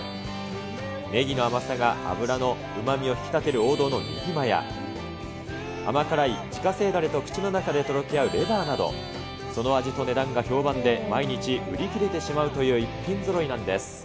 ねぎの甘さが脂のうまみを引き立てる王道のねぎまや、甘辛い自家製だれと口の中でとろけ合うレバーなど、その味と値段が評判で、毎日売り切れてしまうという一品ぞろいなんです。